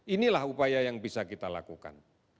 inilah upaya yang bisa kita lakukan